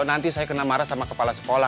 nanti saya kena marah sama kepala sekolah